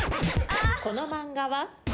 この漫画は？